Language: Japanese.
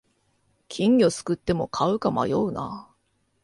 金魚すくっても飼うか迷うな